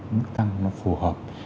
nước tăng nó phù hợp